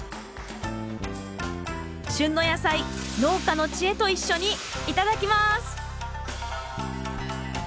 旬の野菜農家の知恵と一緒に頂きます！